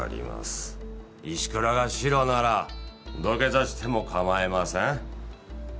石倉がシロなら土下座しても構いません。